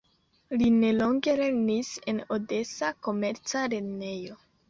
Li nelonge lernis en odesa komerca lernejo.